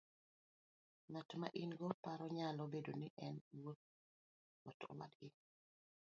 Ng'at ma in go e paro nyalo bedo ni en wuon ot, owadgi,